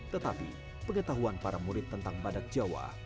tetapi pengetahuan para murid tentang badak jawa di labuan